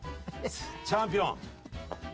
チャンピオン。